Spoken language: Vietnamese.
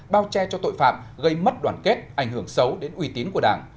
bao che cho tội phạm gây mất đoàn kết ảnh hưởng xấu đến uy tín của đảng